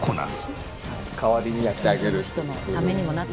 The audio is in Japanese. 代わりにやってあげるっていう。